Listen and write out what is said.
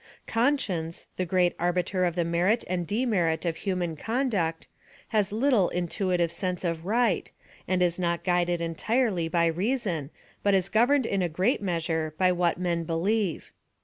Conscience, the great arbiter of the merit and demerit of human conduct, has little intuitive senr'e of right, and is not guided entirely by rea son, but is governed in a great measure by what men believe.